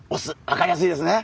わかりやすいですね。